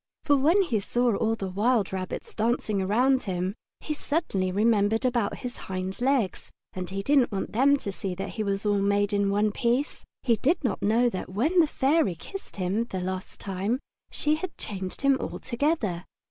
For when he saw all the wild rabbits dancing around him he suddenly remembered about his hind legs, and he didn't want them to see that he was made all in one piece. He did not know that when the Fairy kissed him that last time she had changed him altogether.